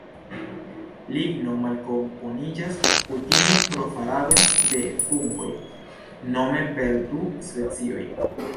Ligno malkomponiĝas kutime pro farado de fungoj, nome per du specioj.